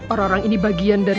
orang orang ini bagian dari